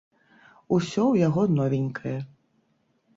Усё ў яго новенькае.